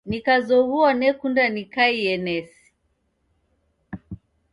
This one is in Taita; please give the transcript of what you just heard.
Nikazoghua nekunda nikaie nesi.